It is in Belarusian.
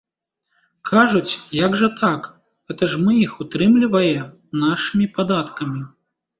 Кажуць, як жа так, гэта ж мы іх утрымлівае нашымі падаткамі.